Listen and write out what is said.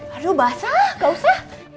aduh basah gak usah